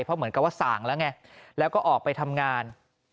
เพราะเหมือนกับว่าส่างแล้วไงแล้วก็ออกไปทำงาน